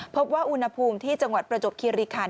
พบว่าอุณหภูมิที่จังหวัดประจบคิริคัน